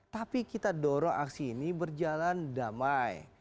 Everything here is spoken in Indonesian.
tapi kita dorong aksi ini berjalan damai